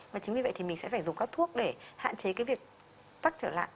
và chính vì vậy thì mình sẽ phải dùng các thuốc để hạn chế cái việc tắc trở lại